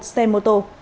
một xe mô tô